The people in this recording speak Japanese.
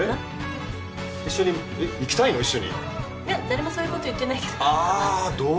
誰もそういうこと言ってないけど。